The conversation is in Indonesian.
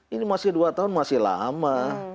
ini masih dua tahun masih lama